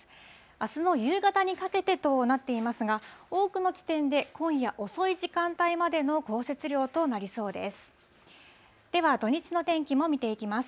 あすの夕方にかけてとなっていますが、多くの地点で今夜遅い時間帯までの降雪量となりそうです。